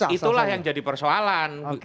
itulah yang jadi persoalan